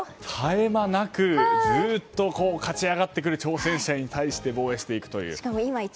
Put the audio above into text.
絶え間なくずっと勝ち上がってくる挑戦者に対して防衛していくという。